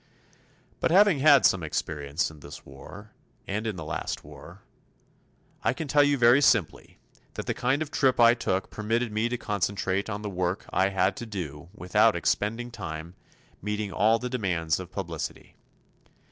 But having had some experience in this war and in the last war, I can tell you very simply that the kind of trip I took permitted me to concentrate on the work I had to do without expending time, meeting all the demands of publicity.